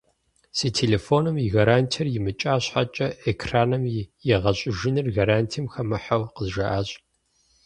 Си телефоным и гарантиер имыкӏа щхьэкӏэ, экраным и егъэщӏыжыныр гарантием хэмыхьэу къызжаӏащ.